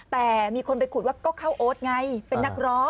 แต่มีคนไปขุดว่าก็เข้าโอ๊ตไงเป็นนักร้อง